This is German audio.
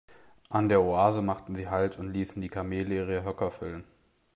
An der Oase machten sie Halt und ließen die Kamele ihre Höcker füllen.